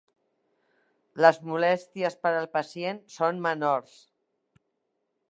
Les molèsties per al pacient són menors.